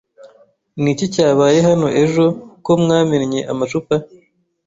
Ni iki cyabaye hano ejo ko mwamennye amacupa?